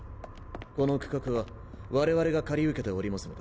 この区画は我々が借り受けておりますので。